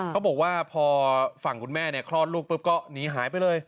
เขาบอกว่าพอฝั่งคุณแม่คลอดลูกปุ๊บก็หนีหายไปเลย